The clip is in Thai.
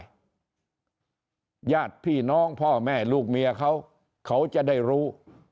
ญาติพี่น้องพ่อแม่ลูกเมียเขาเขาจะได้รู้